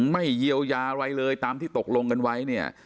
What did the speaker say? ไม่เยียวยาอะไรเลยตามที่ตกลงกันไว้เนี่ย